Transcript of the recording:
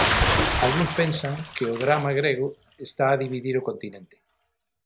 Algúns pensan que o drama grego está a dividir o continente.